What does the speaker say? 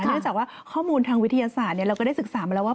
เนื่องจากว่าข้อมูลทางวิทยาศาสตร์เราก็ได้ศึกษามาแล้วว่า